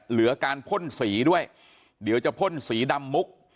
เหลือการพ่นสีด้วยเดี๋ยวจะพ่นสีดำมุก